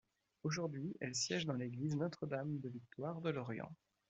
Aujourd'hui, elle siège dans l'église Notre-Dame-de-Victoire de Lorient.